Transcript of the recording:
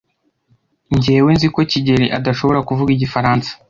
Njyewe nzi ko kigeli adashobora kuvuga igifaransa.